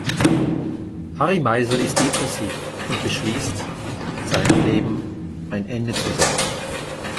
Harry Meisel ist depressiv und beschließt, seinem Leben ein Ende zu setzen.